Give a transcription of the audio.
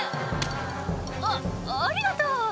「あっありがとう」